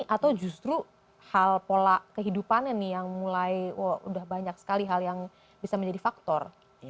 atau justru hal pola kehidupannya nih yang mulai wah udah banyak sekali hal yang bisa menjadi faktor